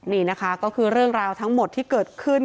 นี่นะคะก็คือเรื่องราวทั้งหมดที่เกิดขึ้น